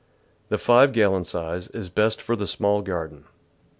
The 5 gallon size is best for the small garden.